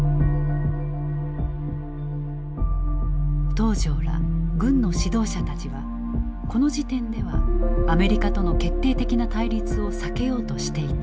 東條ら軍の指導者たちはこの時点ではアメリカとの決定的な対立を避けようとしていた。